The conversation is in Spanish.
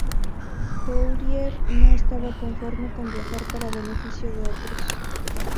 Fourier no estaba conforme con viajar para beneficio de otros.